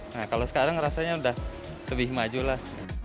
nah kalau sekarang rasanya udah lebih maju lah